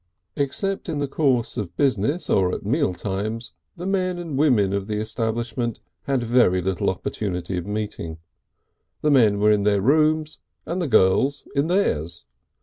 Except in the course of business or at meal times the men and women of the establishment had very little opportunity of meeting; the men were in their rooms and the girls in theirs.